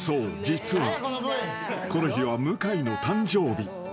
実はこの日は向井の誕生日］